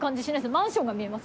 マンションが見えます。